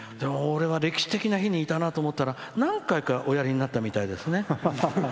俺は歴史的な日にいたなと思ったら何回かおやりになったみたいですね。